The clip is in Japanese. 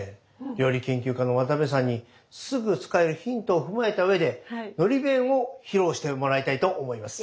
料理研究家の渡辺さんにすぐ使えるヒントを踏まえたうえでのり弁を披露してもらいたいと思います。